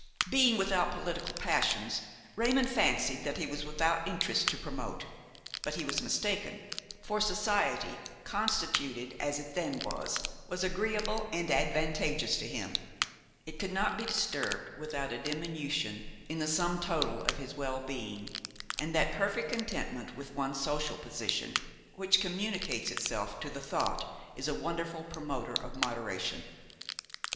Being without political passions, Raymon fancied that he was without interests to promote; but he was mistaken, for society, constituted as it then was, was agreeable and advantageous to him; it could not be disturbed without a diminution in the sum total of his well being, and that perfect contentment with one's social position, which communicates itself to the thought, is a wonderful promoter of moderation.